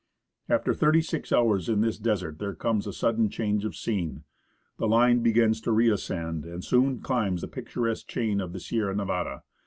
After thirty six hours in this desert, there comes a sudden change of scene. The line begins to re ascend, and soon climbs the picturesque chain of the Sierra Nevada.